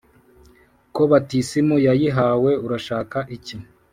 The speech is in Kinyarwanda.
ko batisimu wayihawe urashaka iki